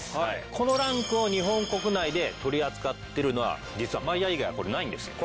このランクを日本国内で取り扱ってるのは実はマイヤー以外はこれないんですよ。